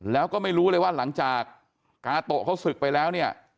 แล้วก็ไม่รู้เลยว่าหลังจากกาโตะเขาศึกไปแล้วเนี่ย